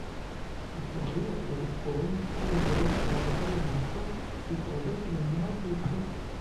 Асабліва прыбытковымі сталі вырошчванне ананасаў і продаж рыбнага тлушчу.